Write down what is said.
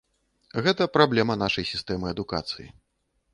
Гэта праблема нашай сістэмы адукацыі.